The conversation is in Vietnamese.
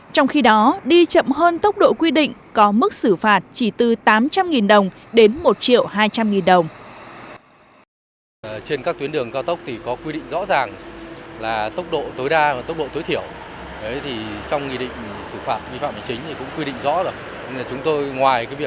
trong khi đó đi chậm hơn tốc độ quy định có mức xử phạt chỉ từ tám trăm linh đồng đến một hai trăm linh đồng